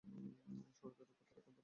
শরতের ওপর তাঁর একান্ত বিশ্বাস।